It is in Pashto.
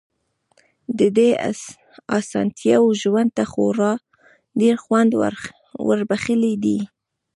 دې اسانتياوو ژوند ته خورا ډېر خوند وربښلی دی.